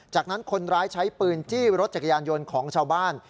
จากนั้นคนร้ายใช้ปืนจี้รถจักรยานยนต์ของชาวบ้าน